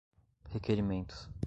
requerimento